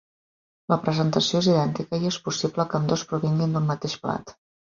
La presentació és idèntica i és possible que ambdós provinguin d'un mateix plat.